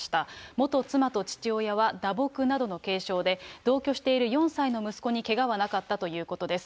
元妻と父親は打撲などの軽傷で、同居している４歳の息子にけがはなかったということです。